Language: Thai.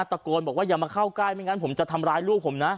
ตะโกนบอกว่าอย่ามาเข้าใกล้ไม่งั้นผมจะทำร้ายลูกผมนะ